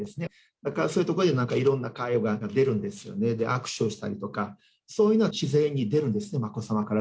だからそういうところでいろんな会話が出るんですよね、握手をしたりとか、そういうのが自然に出るんですよね、眞子さまから。